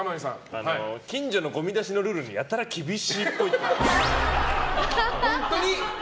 近所のごみ出しのルールにやたら厳しいっぽい。